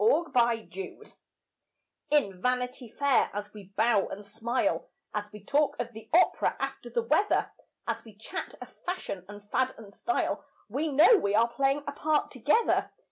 VANITY FAIR In Vanity Fair, as we bow and smile, As we talk of the opera after the weather, As we chat of fashion and fad and style, We know we are playing a part together.